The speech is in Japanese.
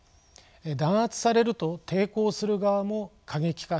弾圧されると抵抗する側も過激化します。